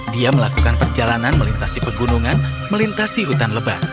dia melakukan perjalanan melintasi pegunungan melintasi hutan lebat